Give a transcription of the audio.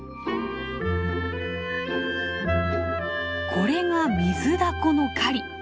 これがミズダコの狩り！